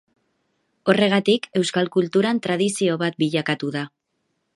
Horregatik euskal kulturan tradizio bat bilakatu da.